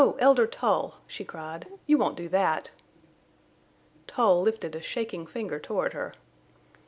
Elder Tull!" she cried. "You won't do that!" Tull lifted a shaking finger toward her.